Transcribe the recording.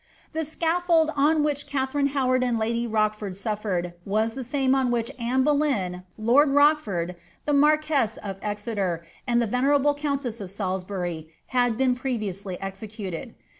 The 8cafi(4d on which Katharine Howard and lady Rochiford sufiered was the same on which Anne Boleyn, lord Rochford, the marquess of Exeter, and the venerable countess of Salisbury, had been previously executed.